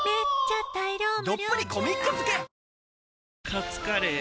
カツカレー？